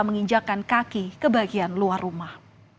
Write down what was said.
menginjakan kaki ke bagian luar rumah